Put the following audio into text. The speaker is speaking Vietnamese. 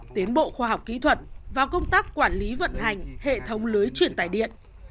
tiến bộ khoa học kỹ thuật và công tác quản lý vận hành hệ thống lưới truyền tải điện